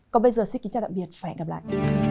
còn bây giờ xin kính chào tạm biệt và hẹn gặp lại